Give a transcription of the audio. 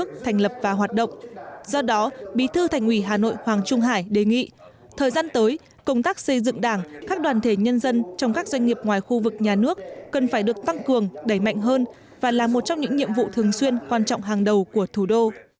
cần phải thống nhất nhận thức về công tác xây dựng đảng và đoàn thể nhân dân trong các doanh nghiệp tư nhân và doanh nghiệp có vốn đầu tư nước ngoài là vấn đề rất mới rất khó không gặp khó khăn